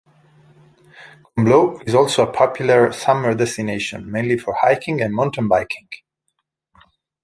Combloux is also a popular summer destination, mainly for hiking and mountain-biking.